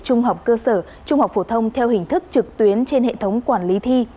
trung học cơ sở trung học phổ thông theo hình thức trực tuyến trên hệ thống quản lý thi